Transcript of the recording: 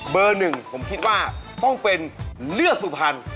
หนึ่งผมคิดว่าต้องเป็นเลือดสุพรรณ